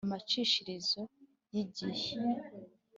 Amacishirizo y igihe